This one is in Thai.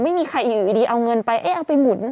ไม่มีใครอยู่ดีเอาเงินไปเอ๊ะเอาไปหมุน